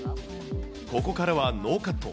ここからはノーカット。